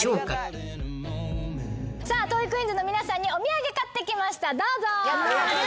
『トークィーンズ』の皆さんにお土産買ってきましたどうぞ。